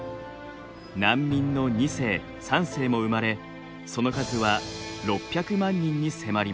難民の２世３世も生まれその数は６００万人に迫ります。